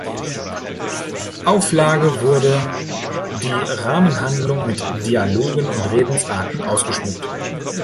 Auflage wurde die Rahmenhandlung mit Dialogen und Redensarten ausgeschmückt.